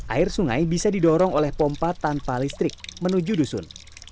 air sungai bisa didorong oleh pompa tanpa listrik menuju dusun